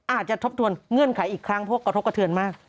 ทบทวนเงื่อนไขอีกครั้งเพราะกระทบกระเทือนมาก